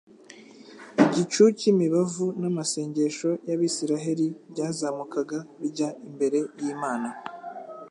Igicu cy'imibavu n'amasengesho y'Abisiraheli byazamukaga bijya imbere y'Imana